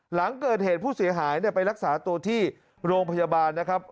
หลังเกิดเหตุผู้เสียหายไปรักษาตัวที่โรงพยาบาลนะครับ